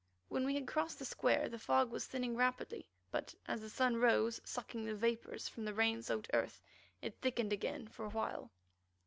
When we had crossed the square the fog was thinning rapidly, but as the sun rose, sucking the vapours from the rain soaked earth, it thickened again for awhile.